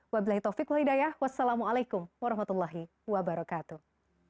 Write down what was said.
wa bilahi taufiq wa li dayah wassalamualaikum warahmatullahi wabarakatuh